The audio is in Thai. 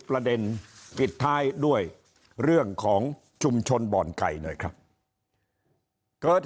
ประเด็นปิดท้ายด้วยเรื่องของชุมชนบ่อนไก่หน่อยครับเกิด